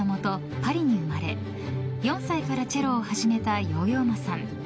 パリに生まれ４歳からチェロを始めたヨーヨー・マさん。